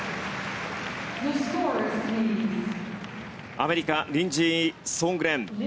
アメリカリンジー・ソーングレン。